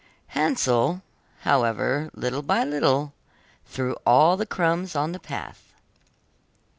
Hansel, however little by little, threw all the crumbs on the path.